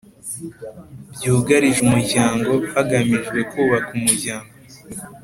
byugarije umuryango hagamijwe kubaka umuryango